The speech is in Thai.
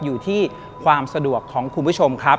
อยู่ที่ความสะดวกของคุณผู้ชมครับ